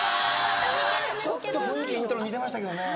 ちょっと雰囲気イントロ似てましたけどね。